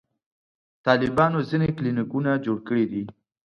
طالبانو ځینې کلینیکونه جوړ کړي دي.